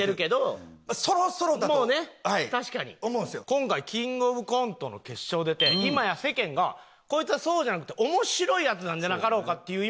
今回キングオブコントの決勝出て今や世間がこいつはそうじゃなくて面白いヤツなんじゃなかろうかっていう